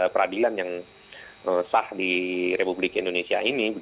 peradilan yang sah di republik indonesia ini